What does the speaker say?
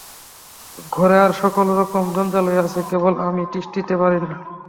ঘরে আর সকল রকম জঞ্জালই আছে, কেবল আমি তিষ্ঠিতে পারি না।